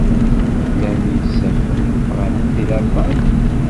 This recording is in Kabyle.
Llan yisafen imeqranen deg Lalman?